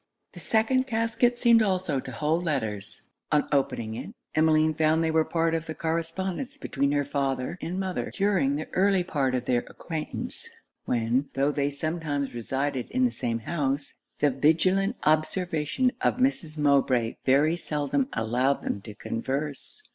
The second casket seemed also to hold letters. On opening it, Emmeline found they were part of the correspondence between her father and mother during the early part of their acquaintance, when, tho' they sometimes resided in the same house, the vigilant observation of Mrs. Mowbray very seldom allowed them to converse.